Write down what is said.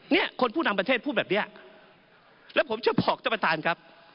เนี่ยคนผู้นำประเทศพูดแบบเนี้ยแล้วผมจะบอกท่านประธานครับ